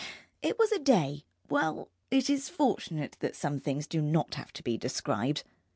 It was a day well, it is fortunate that some things do not have to be described.